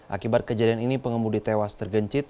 akibat kejadian ini pengemudi tewas tergencit